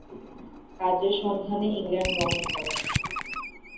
কাজের সন্ধানে ইংল্যান্ড গমন করেন।